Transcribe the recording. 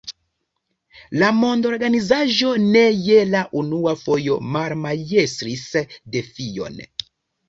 La mondorganizaĵo ne je la unua fojo malmajstris defion.